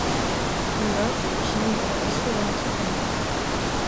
Herr Murphy, ich nehme Ihre Ausführungen zur Kenntnis.